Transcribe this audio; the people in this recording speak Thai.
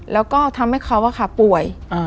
แล้วก็ทำให้เขาว่าค่ะป่วย